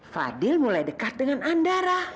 fadil mulai dekat dengan andara